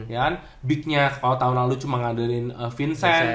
ya kan big nya kalo tahun lalu cuma ngadelin vincent